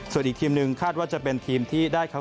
ส่วนอีกทีมหนึ่งคาดว่าจะเป็นทีมที่ได้เข้า